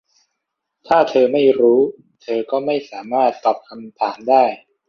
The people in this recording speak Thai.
ถ้าเธอไม่รู้ เธอก็ไม่สามารถตอบคำถามได้